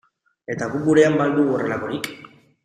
Eta guk gurean ba al dugu horrelakorik?